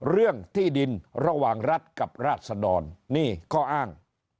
เรื่องที่ดินระหว่างรัฐกับราศดรนี่ข้ออ้าง